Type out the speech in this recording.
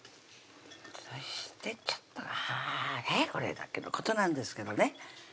そしてあねぇこれだけのことなんですけどね